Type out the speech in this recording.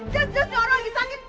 jas jasnya orang lagi sakit